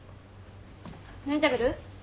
何食べる？